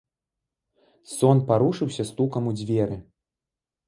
Сон парушыўся стукам у дзверы.